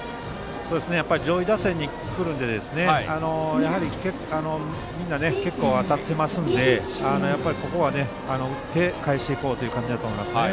上位打線に来るのでやはり、みんな結構当たっていますのでやっぱりここは打ってかえしていこうという感じだと思います。